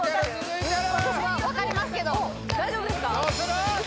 私は分かりますけど大丈夫ですか？